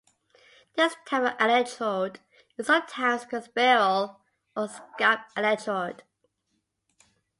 This type of electrode is sometimes called a spiral or scalp electrode.